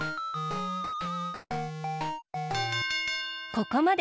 ここまで！